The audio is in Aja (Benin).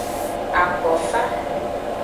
Akofa.